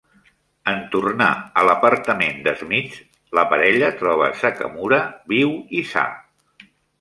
En tornar a l'apartament d'Smith, la parella troba Sakamura viu i sa.